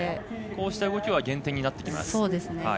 こうした動きは減点になってきます。